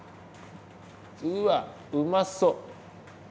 うわっうまそう！